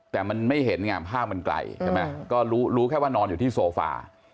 แต่มันไม่เห็นไงภาพมันไกลใช่ไหมก็รู้รู้แค่ว่านอนอยู่ที่โซฟา